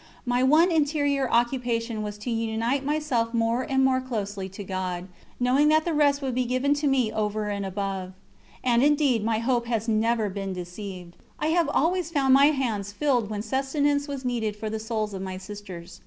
My one interior occupation was to unite myself more and more closely to God, knowing that the rest would be given to me over and above. And indeed my hope has never been deceived; I have always found my hands filled when sustenance was needed for the souls of my Sisters.